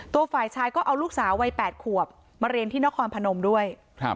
ฝ่ายชายก็เอาลูกสาววัย๘ขวบมาเรียนที่นครพนมด้วย